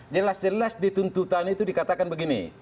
jelas jelas di tuntutan itu dikatakan begini